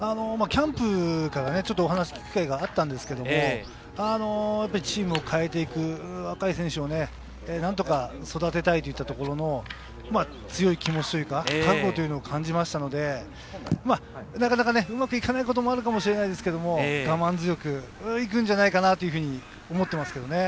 キャンプからちょっとお話を聞く機会があったんですけれど、チームを変えていく、若い選手を何とか育てたいというところの強い気持ちというか覚悟を感じましたので、なかなかうまくいかないこともあるかもしれないですけれど、我慢強く行くんじゃないかなというふうに思っています。